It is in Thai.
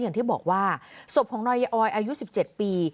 อย่างที่บอกว่าศพของนายออยอายุ๑๗ปี